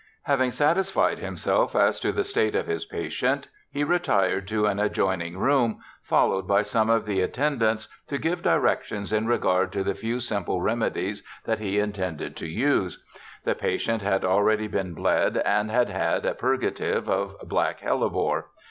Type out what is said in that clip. Having satisfied himself as to the state of his patient, he retired to an adjoining room, followed by some of the atten dants, to give directions in regard to the few simple remedies that he intended to use. The patient had already been bled, and had had a purgative of black hellebore.